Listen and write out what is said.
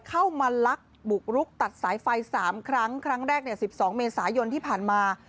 เข้ามาลักบุกรุกตัดสายไฟ๓ครั้งครั้งแรกใน๑๒เมษายนที่ผ่านมา